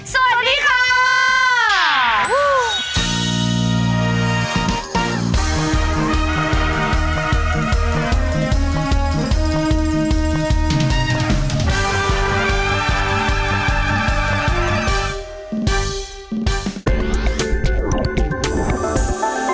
สวัสดีค่ะ